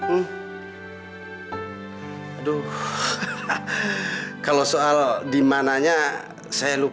aduh kalau soal di mananya saya lupa